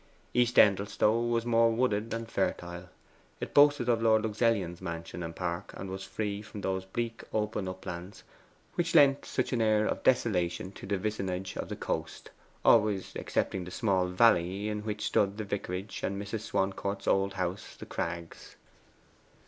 East Endelstow was more wooded and fertile: it boasted of Lord Luxellian's mansion and park, and was free from those bleak open uplands which lent such an air of desolation to the vicinage of the coast always excepting the small valley in which stood the vicarage and Mrs. Swancourt's old house, The Crags.